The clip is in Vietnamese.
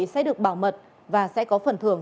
sẽ được bảo mật và sẽ có phần thưởng